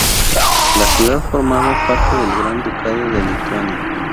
La ciudad formaba parte del Gran Ducado de Lituania.